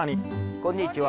こんにちは。